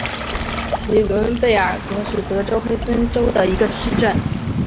齐伦贝尔格是德国黑森州的一个市镇。